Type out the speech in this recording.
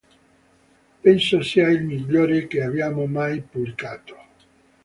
Penso sia il migliore che abbiamo mai pubblicato.